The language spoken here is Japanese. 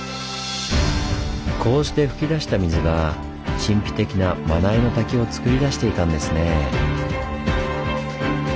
こうして噴き出した水が神秘的な真名井の滝をつくり出していたんですねぇ。